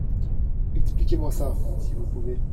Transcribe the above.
Expliquez-moi ça ! si vous pouvez.